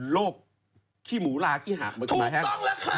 โรคขี้หมูลาขี้หากเมื่อกี้มายแฮงก์ถูกต้องแหละครับ